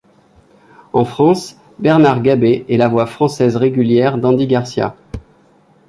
En France, Bernard Gabay est la voix française régulière d'Andy García.